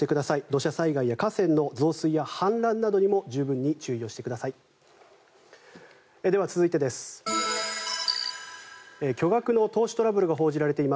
土砂災害や河川の氾濫などにも十分に注意をしてください。